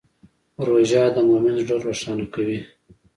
روژه د مؤمن زړه روښانه کوي.